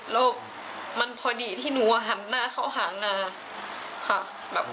แล้วมันพอดีที่หนูหันหน้าเข้าหางาค่ะ